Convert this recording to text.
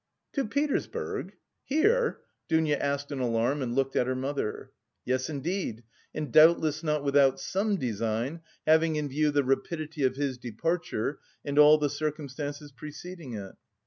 "To Petersburg? here?" Dounia asked in alarm and looked at her mother. "Yes, indeed, and doubtless not without some design, having in view the rapidity of his departure, and all the circumstances preceding it."